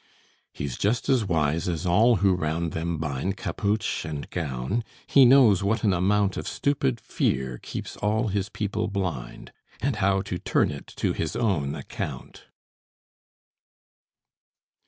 "He's just as wise as all who round them bind Capuche and gown: he knows what an amount Of stupid fear keeps all his people blind, And how to turn it to his own account."